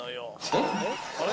えっ？